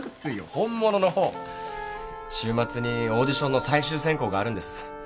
本物の方週末にオーディションの最終選考があるんです